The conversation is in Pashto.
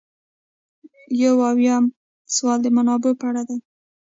یو اویایم سوال د منابعو په اړه دی.